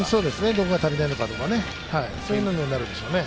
どこが足りないとか、そういうことになるでしょうね。